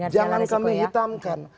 jangan kami hitamkan